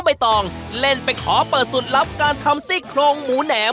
สะกรองสดพอของทางร้านเราลงไป